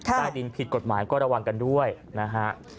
ใต้ดินผิดกฎหมายก็ระวังกันด้วยนะฮะ